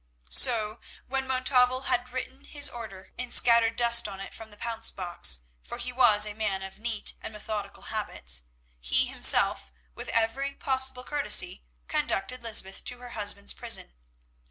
So, when Montalvo had written his order and scattered dust on it from the pounce box, for he was a man of neat and methodical habits, he himself with every possible courtesy conducted Lysbeth to her husband's prison.